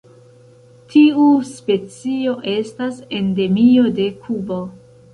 Tiu specio estas endemio de Kubo.